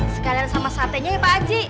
sekalian sama sate nya ya pak haji